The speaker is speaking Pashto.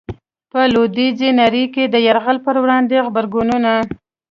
په لويديځي نړۍ کي د يرغل په وړاندي غبرګونونه